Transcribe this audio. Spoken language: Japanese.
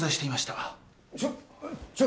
ちょっ。